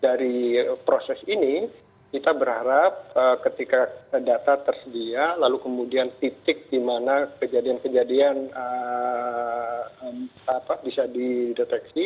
dari proses ini kita berharap ketika data tersedia lalu kemudian titik di mana kejadian kejadian bisa dideteksi